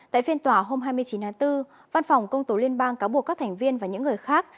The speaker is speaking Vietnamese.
tại phiên tòa hôm hai mươi chín tháng bốn văn phòng công tố liên bang cáo buộc các thành viên và những người khác